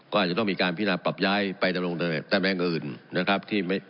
ก็อาจจะต้องมีการพินาปรับย้ายไปดำรงตำแหน่งอื่นนะครับ